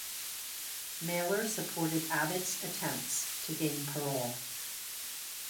Mailer supported Abbott's attempts to gain parole.